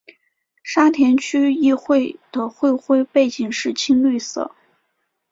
沙田区议会的会徽背景是青绿色。